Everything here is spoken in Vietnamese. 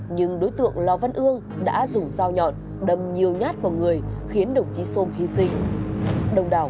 nhưng đối tượng lò văn ương đã dùng dao nhọn đâm nhiều nhát vào người khiến đồng chí sôm hy sinh